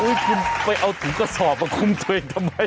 คุณไปเอาถุงกระสอบมาคุมตัวเองทำไม